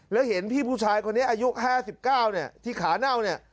แล้วเห็นพี่ผู้ชายคนนี้อายุ๕๙เนี่ยที่ขาเน่าเนี่ย